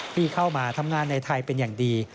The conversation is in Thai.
ที่เข้ามาทำงานในไทยเป็นอย่างดี